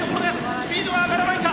スピードは上がらないか。